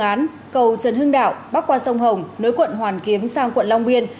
dự án cầu trần hưng đạo bắc qua sông hồng nối quận hoàn kiếm sang quận long biên